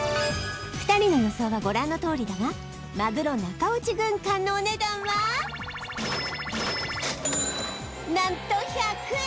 ２人の予想はご覧のとおりだがマグロ中落ち軍艦のお値段は何と１００円！